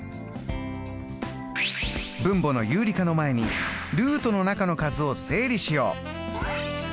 分母の有理化の前にルートの中の数を整理しよう。